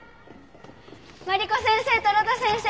マリコ先生と呂太先生！